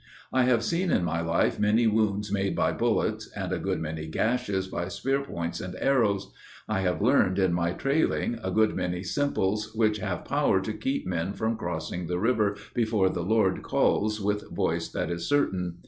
I have seen in my life many wounds made by bullets, And a good many gashes by spear points and arrows. I have learned in my trailing a good many simples Which have power to keep men from crossing the river Before the Lord calls with voice that is certain.